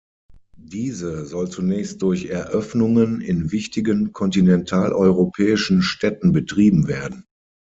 Diese soll zunächst durch Eröffnungen in wichtigen kontinentaleuropäischen Städten betrieben werden.